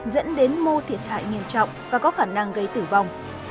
dẫn đến mô thiệt hại nghiêm trọng và có khả năng gây tử vong